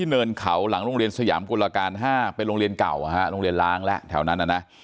เนินเขาหลังโรงเรียนสยามกุลการ๕เป็นโรงเรียนเก่าโรงเรียนล้างแล้วแถวนั้นน่ะนะ